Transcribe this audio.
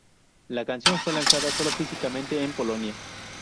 La canción fue lanzada sólo físicamente en Polonia.